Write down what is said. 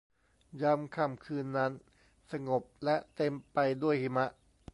ยามค่ำคืนนั้นสงบและเต็มไปด้วยหิมะ